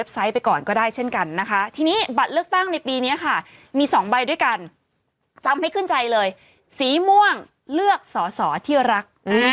สีม่วงเลือกสอสอที่รัก